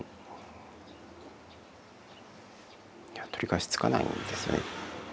取り返しつかないんですよね。